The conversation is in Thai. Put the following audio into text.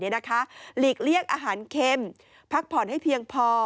หลีกเลี่ยงอาหารเค็มพักผ่อนให้เพียงพอ